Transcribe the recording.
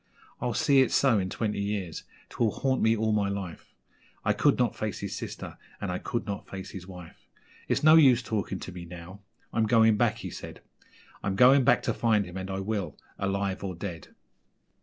I'll see it so in twenty years, 'twill haunt me all my life I could not face his sister, and I could not face his wife. It's no use talking to me now I'm going back,' he said, 'I'm going back to find him, and I will alive or dead!'